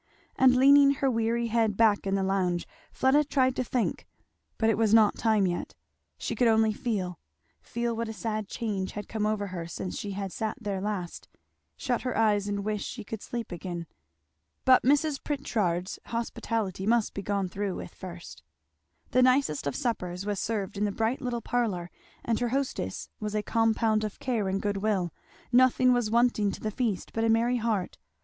And leaning her weary head back in the lounge Fleda tried to think, but it was not time yet; she could only feel; feel what a sad change had come over her since she had sat there last; shut her eyes and wish she could sleep again. But Mrs. Pritchard's hospitality must be gone through with first. The nicest of suppers was served in the bright little parlour and her hostess was a compound of care and good will; nothing was wanting to the feast but a merry heart.